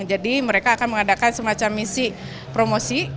jadi mereka akan mengadakan semacam misi promosi